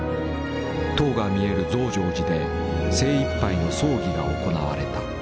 塔が見える増上寺で精いっぱいの葬儀が行われた。